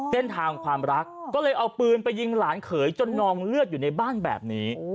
เส้นทางความรักก็เลยเอาปืนไปยิงหลานเขยจนนองเลือดอยู่ในบ้านแบบนี้